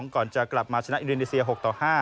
ก่อนจะกลับมาชนะอินโดนีเซีย๖ต่อ๕